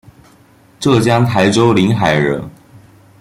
浙江台州临海人。